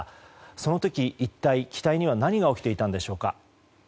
その時一体、機体には何が起きていたんでしょうか。